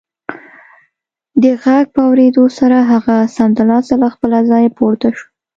د غږ په اورېدو سره هغه سمدلاسه له خپله ځايه پورته شو